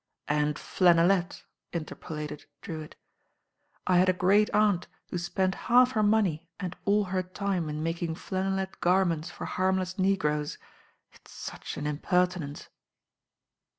"And flannelette," interpolated Drewitt. "I had a great aunt who spent half her money and all her ^me m making flannelette garments for harmless ff"* ^*« »"^1> an impertinence."